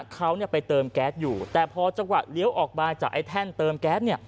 เขาไปเติมแก๊สอยู่แต่พอจังหวะเลี้ยวออกมาจากไอ้แท่นเติมแก๊สเนี่ย